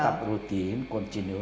masih tetap rutin